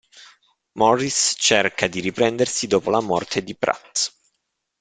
Morris cerca di riprendersi dopo la morte di Pratt.